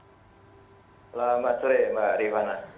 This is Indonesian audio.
selamat sore mbak rihwana